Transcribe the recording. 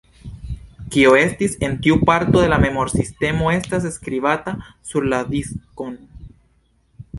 Kio estis en tiu parto de la memor-sistemo estas skribata sur la diskon.